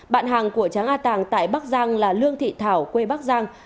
bạn hàng của tráng a tàng tại bắc giang là lương thị thảo quê bắc giang